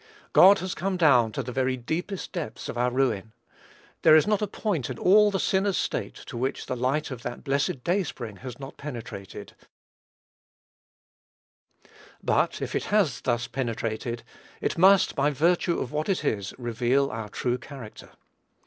God has come down to the very deepest depths of our ruin. There is not a point in all the sinner's state to which the light of that blessed Day spring has not penetrated; but, if it has thus penetrated, it must, by virtue of what it is, reveal our true character.